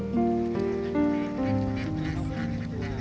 อ่า